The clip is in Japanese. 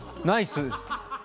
ナイス。